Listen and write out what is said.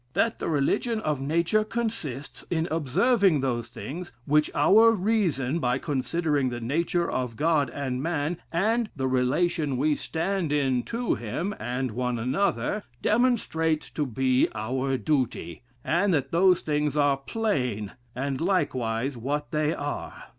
"That the religion of nature consists in observing those things, which our reason, by considering the nature of God and man, and the relation we stand in to him, and one another, demonstrates to be our duty; and that those things are plain; and likewise what they are.